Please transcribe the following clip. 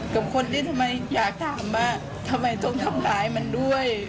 กับคนที่ทำไมอยากถามว่าทำไมต้องทำร้ายมันด้วย